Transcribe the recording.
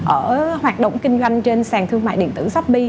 ở hoạt động kinh doanh trên sàn thương mại điện tử shopee